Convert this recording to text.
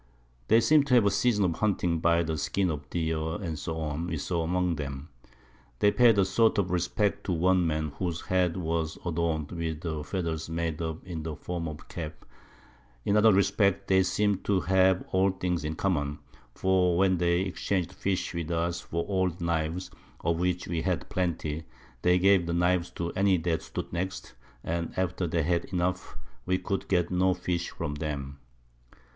They seem to have a Season of Hunting by the Skins of Deer, &c. we saw among them: They paid a sort of Respect to one Man, whose Head was adorn'd with Feathers made up in the Form of a Cap; in other respects they seem'd to have all things in common; for when they exchang'd Fish with us for old Knives, of which we had plenty, they gave the Knives to any that stood next, and after they had enough, we could get no Fish from them.